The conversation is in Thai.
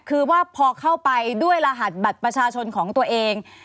คือว่าพอเข้าไปด้วยรหัสบัตรประชาชนของตัวเอง